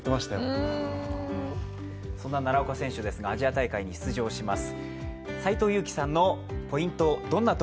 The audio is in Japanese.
そんな奈良岡選手ですが、アジア大会に出場します。